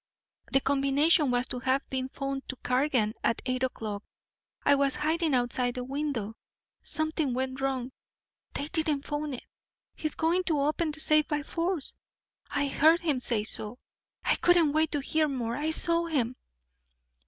The combination was to have been phoned to Cargan at eight o'clock. I was hiding outside the window. Something went wrong they didn't phone it. He's going to open the safe by force. I heard him say so. I couldn't wait to hear more I saw him."